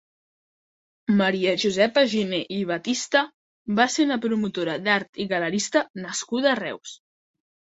Maria Josepa Giner i Batista va ser una promotora d'art i galerista nascuda a Reus.